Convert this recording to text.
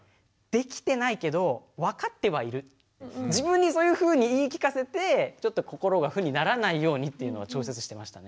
自分にそういうふうに言い聞かせてちょっと心が負にならないようにっていうのは調節してましたね。